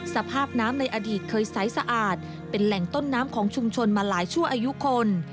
สภาพน้ำในอดีตเคยใสสะอาดเป็นแหล่งต้นน้ำของชุมชนมาหลายชั่วอายุคน